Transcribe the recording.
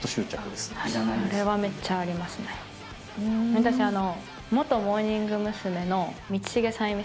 私あの。